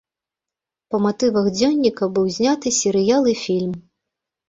Па матывах дзённіка быў зняты серыял і фільм.